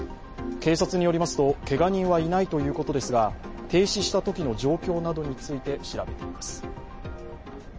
警察によりますと、けが人はいないということですが、停止したときの状況などについて調べています。